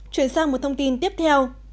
chuyển sang một thông tin tiếp theo